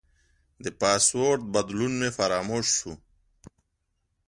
د پاسورډ بدلون مې فراموش شو.